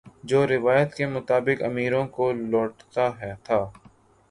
جو روایت کے مطابق امیروں کو لوٹتا تھا